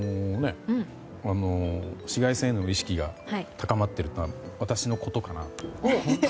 紫外線への意識が高まっているとは私のことかなと。